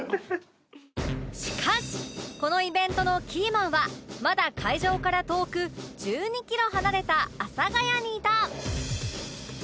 しかしこのイベントのキーマンはまだ会場から遠く１２キロ離れた阿佐ヶ谷にいた！